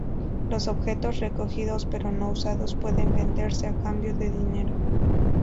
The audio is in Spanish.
Los objetos recogidos pero no usados pueden venderse a cambio de dinero.